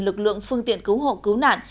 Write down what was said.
lực lượng phương tiện cứu hộ cứu nạn